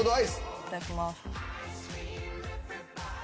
いただきます。